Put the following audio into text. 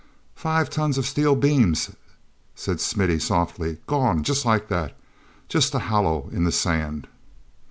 "Five tons of steel beams," said Smithy softly, "gone—just like that! Just a hollow in the sand!"